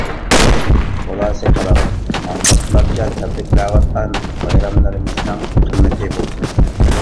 خۇلاسە كالام، ماڭقۇرتلارچە تەبرىكلەۋاتقان بايراملىرىمىزنىڭ قىممىتى بولسۇن.